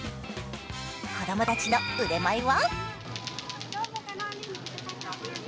子供たちの腕前は？